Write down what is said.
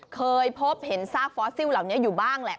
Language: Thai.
เคยพบเห็นซากฟอสซิลเหล่านี้อยู่บ้างแหละ